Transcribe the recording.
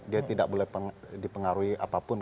dia tidak boleh dipengaruhi apapun